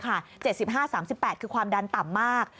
๗๕๓๘คือความดันต่ำมาก